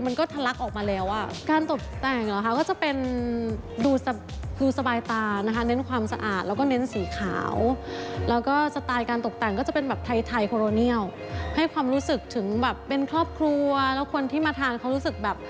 เราแล้วดูสบายใจอะไรอย่างนี้ค่ะ